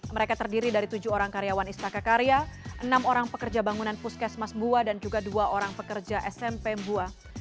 mereka terdiri dari tujuh orang karyawan istaka karya enam orang pekerja bangunan puskesmas bua dan juga dua orang pekerja smp bua